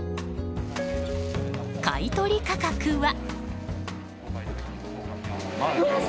買い取り価格は？